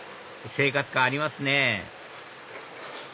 生活感ありますね